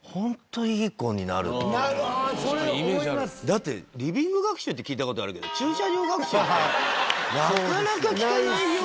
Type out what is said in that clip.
だってリビング学習って聞いた事あるけど駐車場学習ってなかなか聞かないよ。